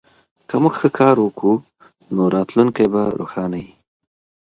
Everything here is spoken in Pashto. که موږ ښه کار وکړو نو راتلونکی به روښانه وي.